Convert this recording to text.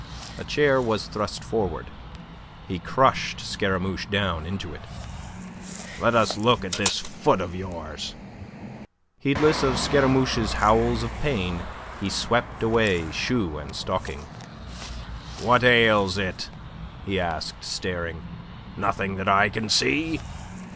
A chair was thrust forward. He crushed Scaramouche down into it. "Let us look at this foot of yours." Heedless of Scaramouche's howls of pain, he swept away shoe and stocking. "What ails it?" he asked, staring. "Nothing that I can see."